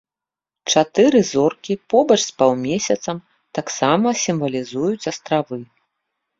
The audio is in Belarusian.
Чатыры зоркі побач з паўмесяцам таксама сімвалізуюць астравы.